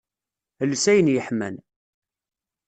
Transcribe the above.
Els ayen yeḥman.